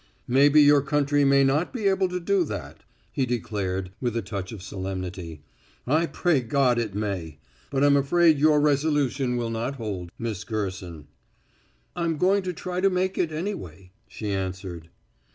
"Maybe your country may not be able to do that," he declared, with a touch of solemnity. "I pray God it may. But I'm afraid your resolution will not hold, Miss Gerson." "I'm going to try to make it, anyway," she answered.